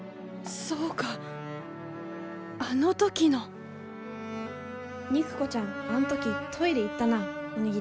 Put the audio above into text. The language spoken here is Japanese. そうかあの時の肉子ちゃんあん時トイレ行ったなお握り持って。